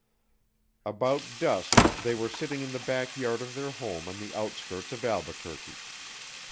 About dusk they were sitting in the back yard of their home on the outskirts of Albuquerque.